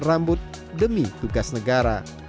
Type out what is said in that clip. g mocking dan menarik shlap